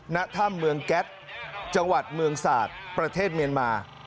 ณถ้ำเมืองแก๊สจังหวัดเมืองศาสตร์ประเทศเมียนมา